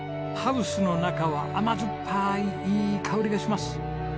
ハウスの中は甘酸っぱいいい香りがします。